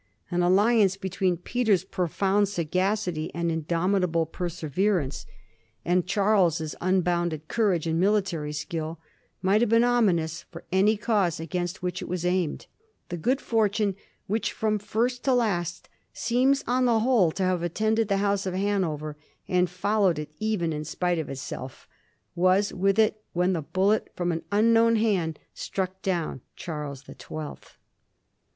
An alliance between Peter's profound sagacity and indomitable perseverance, and Digiti zed by Google 171& ia SWEDISH CHARLES. 213 Charles's unbounded courage and military skill, might have been ominous for any cause against which it was aimed. The good fortune which from first to last seems on the whole to have attended the House of Hanover, and followed it even in spite of itself, was with it when the bullet from an unknown hand struck dovm Charles the Twelfth.